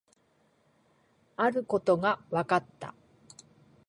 あることが分かった